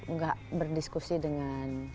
nggak berdiskusi dengan